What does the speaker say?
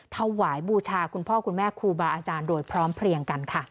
ถวายบูชาคุณพ่อคุณแม่ครูบาอาจารย์โดยพร้อมเพลียงกันค่ะ